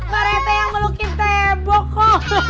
pak rete yang melukim teboko